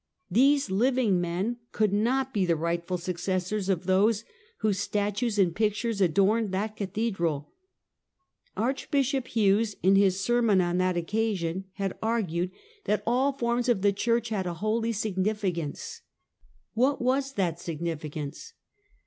These living men could not be the rightful successors of those whose statues and pictures adorned that cathedral. Archbishop Hughes, in his sei*raon on that occasion, had argued that all the forms Politics and Printers. 155 of the church had a holy significance. What was that significance?